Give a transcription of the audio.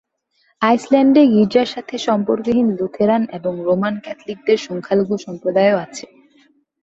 আইসল্যান্ডে গির্জার সাথে সম্পর্কহীন লুথেরান এবং রোমান ক্যাথলিকদের সংখ্যালঘু সম্প্রদায়ও আছে।